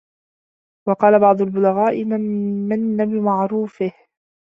وَقَالَ بَعْضُ الْبُلَغَاءِ مَنْ مَنَّ بِمَعْرُوفِهِ